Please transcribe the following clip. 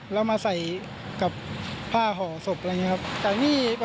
แล้วมาใส่กับผ้าห่อศพอะไรอย่างนี้ครับ